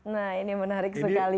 nah ini menarik sekali